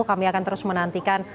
kami akan terus menantikan